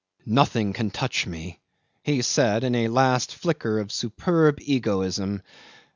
"Nothing can touch me," he said in a last flicker of superb egoism.